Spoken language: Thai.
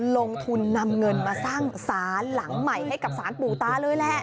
ลงทุนนำเงินมาสร้างสารหลังใหม่ให้กับสารปู่ตาเลยแหละ